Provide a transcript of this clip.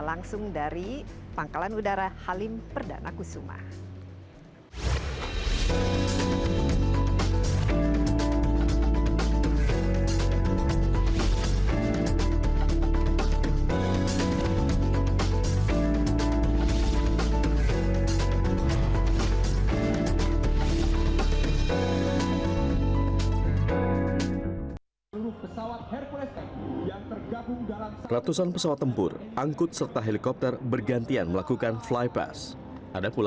langsung dari pangkalan udara halim perdana kusuma